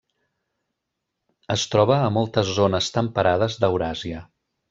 Es troba a moltes zones temperades d'Euràsia.